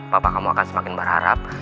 bapak kamu akan semakin berharap